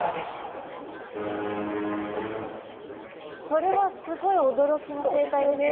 それはすごい驚きの生態ですね。